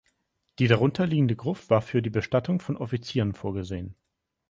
Die darunterliegende Gruft war für die Bestattung von Offizieren vorgesehen.